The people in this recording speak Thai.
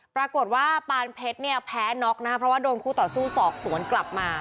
ปรากฏว่าปานเพชรเนี่ยแพ้น็อกนะครับเพราะว่าโดนคู่ต่อสู้สอบสวนกลับมา